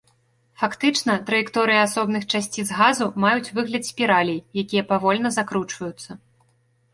Фактычна, траекторыі асобных часціц газу маюць выгляд спіралей, якія павольна закручваюцца.